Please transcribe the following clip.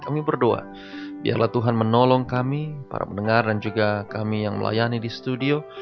kami berdoa biarlah tuhan menolong kami para pendengar dan juga kami yang melayani di studio